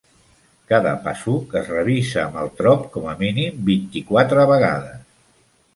Cada pasuk es revisa amb el tropp com a mínim vint-i-quatre vegades.